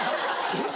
「えっ？」